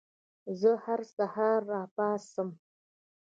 زه هر سهار راپاڅم.